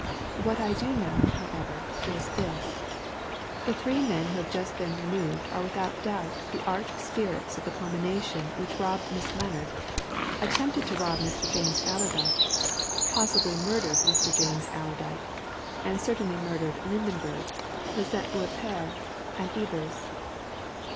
What I do know, however, is this the three men who have just been removed are without doubt the arch spirits of the combination which robbed Miss Lennard, attempted to rob Mr. James Allerdyke, possibly murdered Mr. James Allerdyke, and certainly murdered Lydenberg, Lisette Beaurepaire, and Ebers.